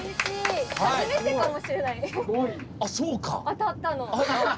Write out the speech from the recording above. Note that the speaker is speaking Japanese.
当たったの。